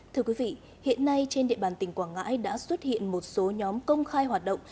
thưa quý vị hiện nay trên địa bàn tỉnh quảng ngãi đã xuất hiện một số nhóm công khai hoạt động